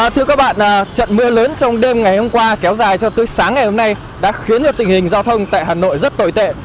thưa các bạn trận mưa lớn trong đêm ngày hôm qua kéo dài cho tới sáng ngày hôm nay đã khiến cho tình hình giao thông tại hà nội rất tồi tệ